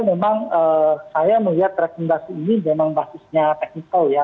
memang saya melihat rekomendasi ini memang basisnya technical ya